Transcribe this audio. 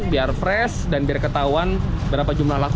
biar fresh dan biar ketahuan berapa jumlah laku